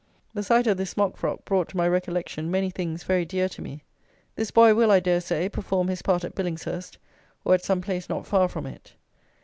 The sight of this smock frock brought to my recollection many things very dear to me. This boy will, I dare say, perform his part at Billingshurst, or at some place not far from it.